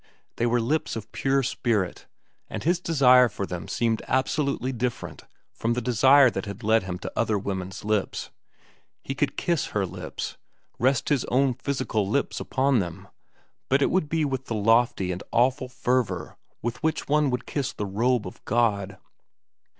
They were lips of pure spirit, and his desire for them seemed absolutely different from the desire that had led him to other women's lips. He could kiss her lips, rest his own physical lips upon them, but it would be with the lofty and awful fervor with which one would kiss the robe of God.